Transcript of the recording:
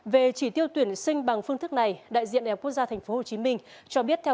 về chỉ tiêu tuyển sinh bằng phương thức này đại diện đại học quốc gia thành phố hồ chí minh